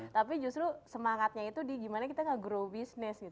tapi justru semangatnya itu di gimana kita nge grow bisnis gitu